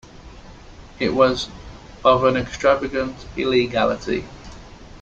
It was of an extravagant illegality.